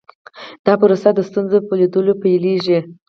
دا پروسه د ستونزې په لیدلو پیلیږي.